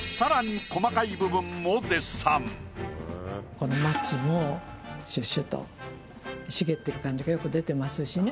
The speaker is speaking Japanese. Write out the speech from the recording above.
この松もシュッシュと茂ってる感じがよく出てますしね。